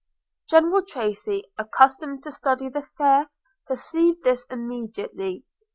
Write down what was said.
General Tracy, accustomed to study the fair, perceived this immediately.